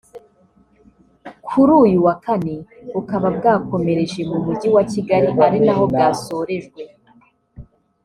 kuri uyu wa Kane bukaba bwakomereje mu Mujyi wa Kigali ari naho bwasorejwe